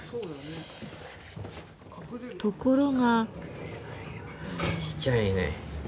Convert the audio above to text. ところが。